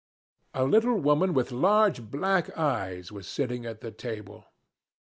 A little woman with large black eyes was sitting at the table.